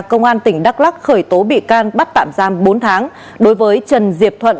công an tp hcm khởi tố bị can bắt tạm giam bốn tháng đối với trần diệp thuận